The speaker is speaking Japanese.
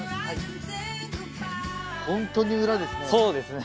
本当に裏ですね。